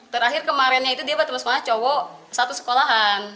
terakhir kemarinnya itu dia bertemu setengah cowok satu sekolahan